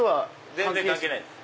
全然関係ないです。